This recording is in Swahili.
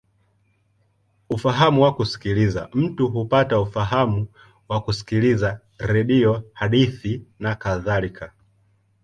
Ufahamu wa kusikiliza: mtu hupata ufahamu kwa kusikiliza redio, hadithi, nakadhalika.